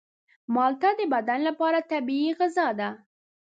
مالټه د بدن لپاره طبیعي غذا ده.